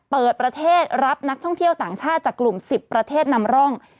เปิดประเทศรับนักท่องเที่ยวต่างชาติจากกลุ่ม๑๐ประเทศนำร่อง